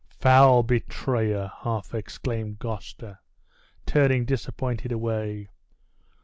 "Foul betrayer!" half exclaimed Gloucester, turning disappointed away.